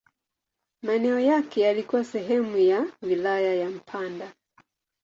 Maeneo yake yalikuwa sehemu ya wilaya ya Mpanda.